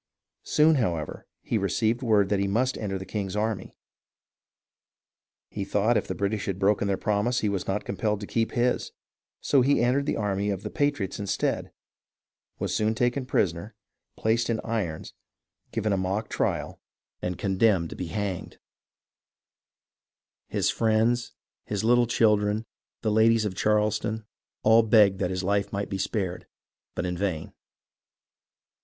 Soon, however, he received word that he must enter the king's army. He thought if the British had broken their promise he was not compelled to keep his, so he entered the army of the patriots instead, was soon taken prisoner, placed in irons, given a mock trial and condemned to be 344 HISTORY OF THE AMERICAN REVOLUTION hanged. His friends, his little children, the ladies of Charleston, all begged that his life might be spared, but in vain.